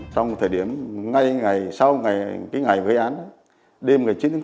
sau một thời điểm ngay ngày sau cái ngày với án đêm ngày chín tháng bốn